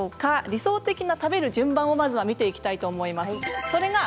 理想的な食べる順番をまずは見ていきたいと思います。